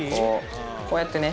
こうやってね。